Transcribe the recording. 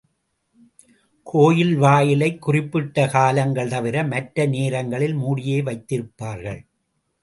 கோயில் வாயிலை குறிப்பிட்ட காலங்கள் தவிர மற்ற நேரங்களில் மூடியே வைத்திருப்பார்கள்.